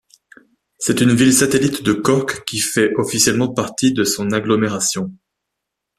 C’est une ville satellite de Cork qui fait officiellement partie de son agglomération.